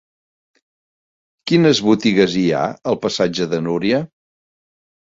Quines botigues hi ha al passatge de Núria?